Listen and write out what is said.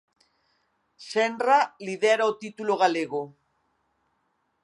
Senra lidera o título galego.